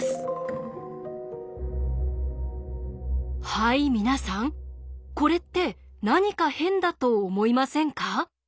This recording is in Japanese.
はい皆さんこれって何か変だと思いませんか？